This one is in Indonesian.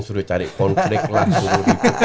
suruh cari konflik langsung